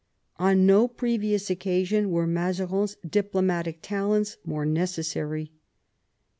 On no previous occasion were Muzarin's diplomatic talents more necessary.